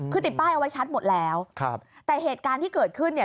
คือติดป้ายเอาไว้ชัดหมดแล้วครับแต่เหตุการณ์ที่เกิดขึ้นเนี่ย